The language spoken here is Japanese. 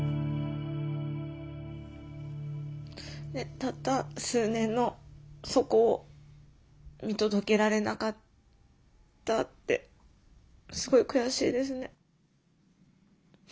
たった数年のそこを見届けられなかったってすごい悔しいですね。